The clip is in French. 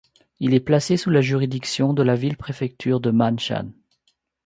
Il est placé sous la juridiction de la ville-préfecture de Ma'anshan.